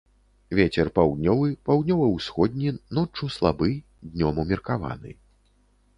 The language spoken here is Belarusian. Вецер паўднёвы, паўднёва-ўсходні ноччу слабы, днём умеркаваны.